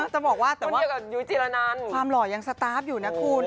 จะบอกว่าแต่ว่าความหล่อยังสตาร์ฟอยู่นะคุณ